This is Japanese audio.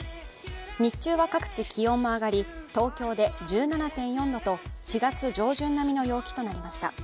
日中は各地気温も上がり東京で１７．４度と、４月上旬並みの陽気となりました。